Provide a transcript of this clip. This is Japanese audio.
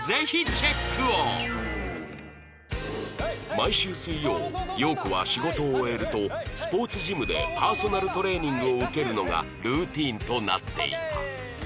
毎週水曜洋子は仕事を終えるとスポーツジムでパーソナルトレーニングを受けるのがルーチンとなっていた